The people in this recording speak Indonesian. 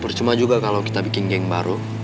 bercuma juga kalo kita bikin game baru